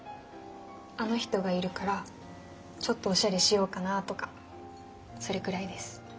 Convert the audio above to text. あの人がいるからちょっとおしゃれしようかなとかそれくらいです。